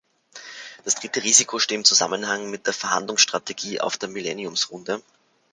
Das dritte Risiko steht im Zusammenhang mit der Verhandlungsstrategie auf der Millenniumsrunde.